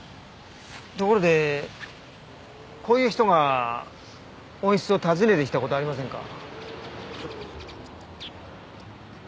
ところでこういう人が温室を訪ねてきた事ありませんか？